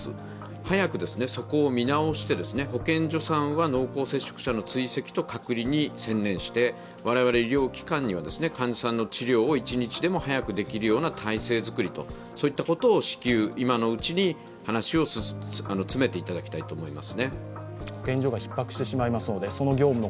早くそこを見直して保健所さんは濃厚接触者の追跡と隔離に専念して、我々医療機関には患者さんの治療を１日でも早くできるような体制づくりを至急、今のうちに話を詰めていただきたいと思います。